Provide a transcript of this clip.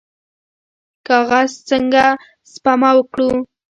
کاغذ څنګه سپما کړو؟